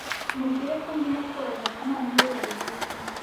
Mubwire ko ndimo koga kamana niwe wabivuze